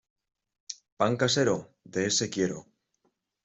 Pan casero, de ése quiero.